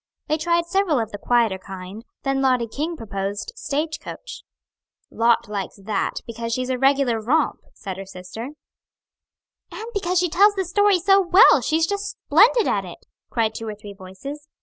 They tried several of the quieter kind, then Lottie King proposed "Stage coach." "Lot likes that because she's a regular romp," said her sister. "And because she tells the story so well; she's just splendid at it!" cried two or three voices.